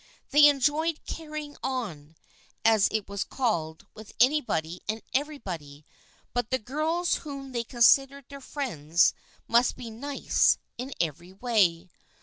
They enjoyed " carrying on," as it was called, with anybody and everybody, but the girls whom they considered their friends must be " nice " in every way.